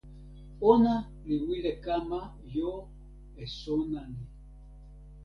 ona li wile kama jo e sona ni.